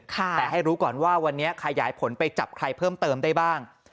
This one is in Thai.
แต่ให้รู้ก่อนว่าวันนี้ขยายผลไปจับใครเพิ่มเติมได้บ้าง